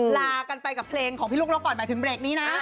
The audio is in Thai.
ลากันไปกับเพลงของพี่ลูกนกก่อนหมายถึงเบรกนี้นะ